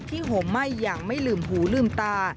ห่มไหม้อย่างไม่ลืมหูลืมตา